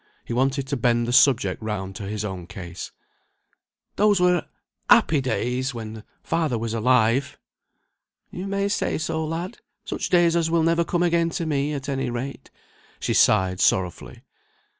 He wanted to bend the subject round to his own case. "Those were happy days when father was alive!" "You may say so, lad! Such days as will never come again to me, at any rate." She sighed sorrowfully.